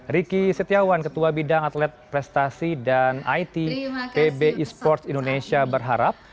riki setiawan ketua bidang atlet prestasi dan it pb e sports indonesia berharap